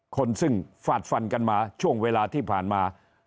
คนซึ่งฝาดฟันกันมาช่วงเวลาที่ผ่านมา